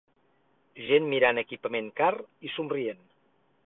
gent mirant equipament car i somrient